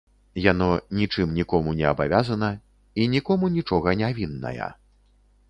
Яно нічым нікому не абавязана і нікому нічога не вінная.